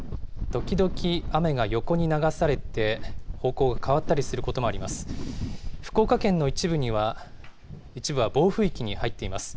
時々雨が横に流されて、方向が変わったりすることもあります。